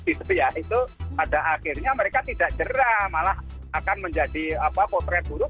itu pada akhirnya mereka tidak jerah malah akan menjadi potret buruk